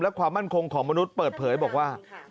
และความมั่นคงของมนุษย์เปิดเผยบอกว่า